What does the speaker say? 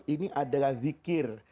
ini adalah zikir